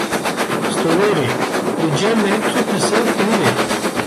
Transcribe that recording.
Stonêrê: Li cem me tu pising nînin.